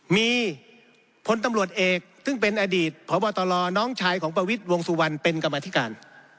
มีพลตำรวจเอกซึ่งเป็นอดีตพบตลน้องชายของประวิทย์วงสุวรรณเป็นกรรมธิการ